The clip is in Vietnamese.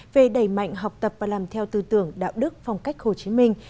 về đẩy mạnh học tập và làm theo tư tưởng đạo đức phong cách hồ chí minh